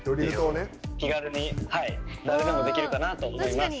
気軽に誰でもできるかなと思います。